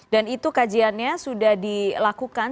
dan itu kajiannya sudah dilakukan